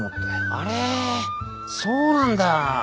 あれそうなんだ。